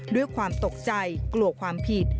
ด้วยความตกใจกลัวความผิด